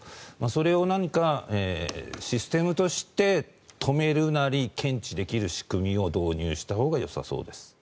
それを何かシステムとして止めるなり検知できる仕組みを導入したほうがよさそうです。